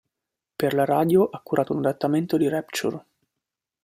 Per la radio ha curato un adattamento di "Rapture".